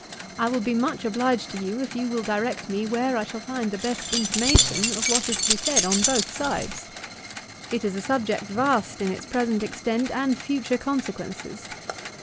I will be much obliged to you, if you will direct me where I shall find the best information of what is to be said on both sides. It is a subject vast in its present extent and future consequences.